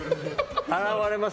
現れます。